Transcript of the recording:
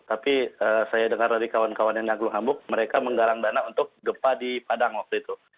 tapi saya dengar dari kawan kawan yang naklung hambuk mereka menggalang dana untuk gempa di padang waktu itu